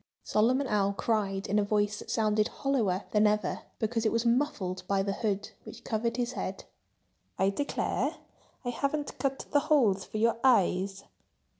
Solomon Owl cried in a voice that sounded hollower than ever, because it was muffled by the hood, which covered his head. "I declare—I haven't cut the holes for your eyes!"